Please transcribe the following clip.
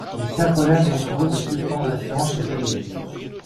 Mes chers collègues, je vous propose de suspendre la séance quelques minutes.